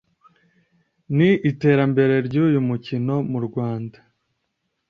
ni iterambere ry’uyu mukino mu Rwanda